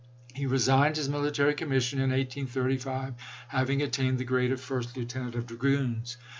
He resigned his military commission in 1835, having attained the grade of first lieutenant of dragoons.